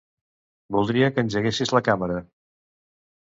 Voldria que engeguessis la Càmera.